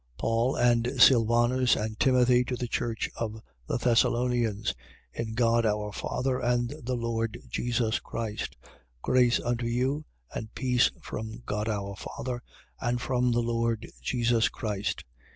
1:1. Paul and Sylvanus and Timothy, to the church of the Thessalonians. In God our Father and the Lord Jesus Christ, 1:2. Grace unto you: and peace from God our Father and from the Lord Jesus Christ.